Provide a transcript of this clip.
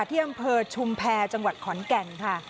เที่ยมเผิดชุมแพรจังหวัดขอนแก่นค่ะ